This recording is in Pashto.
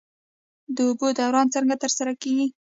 د اوبو دوران څنګه ترسره کیږي؟